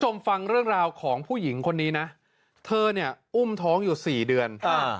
ฟังเรื่องราวของผู้หญิงคนนี้นะเธอเนี่ยอุ้มท้องอยู่สี่เดือนอ่า